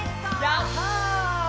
やった！